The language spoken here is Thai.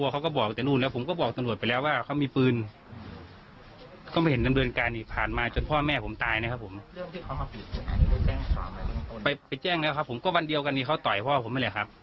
เขาต่อยพ่อผมไว้แหละครับ